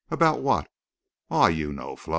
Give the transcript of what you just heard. "About what?" "Aw, you know, Flo."